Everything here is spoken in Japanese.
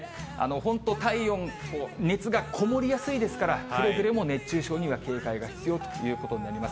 本当、体温、熱がこもりやすいですから、くれぐれも熱中症には警戒が必要ということになります。